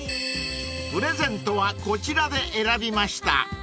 ［プレゼントはこちらで選びました］